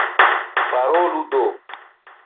Parolu do!